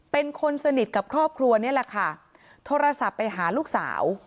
เป็นคนสนิทกับครอบครัวนี่แหละค่ะโทรศัพท์ไปหาลูกสาว